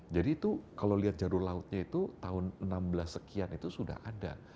jadi itu kalau lihat jalur lautnya itu tahun enam belas sekian itu sudah ada